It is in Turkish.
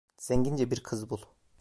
Zengince bir kız bul…